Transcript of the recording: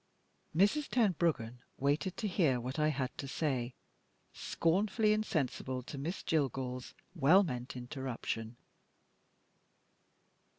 Mrs. Tenbruggen waited to hear what I had to say, scornfully insensible to Miss Jillgall's well meant interruption.